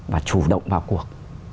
và chủ động vào cuộc